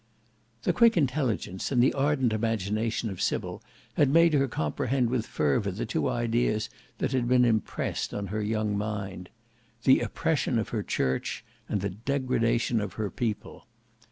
The quick intelligence and the ardent imagination of Sybil had made her comprehend with fervor the two ideas that had been impressed on her young mind; the oppression of her church and the degradation of her people.